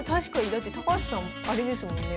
だって高橋さんあれですもんね